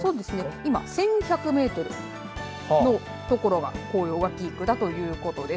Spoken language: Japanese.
今１１００メートルのところが紅葉がピークだということです。